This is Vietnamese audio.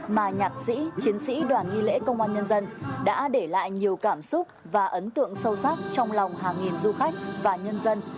mà nhạc sĩ chiến sĩ đoàn nghi lễ công an nhân dân đã để lại nhiều cảm xúc và ấn tượng sâu sắc trong lòng hàng nghìn du khách và nhân dân